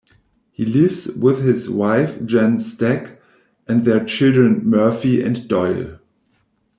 He lives with his wife Jan Stack and their children Murphy and Doyle.